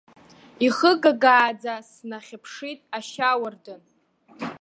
Ихыгагааӡа снахьԥшит ашьауардын.